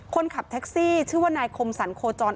คนขับแท็กซี่ชื่อว่านายคมสรรโคจร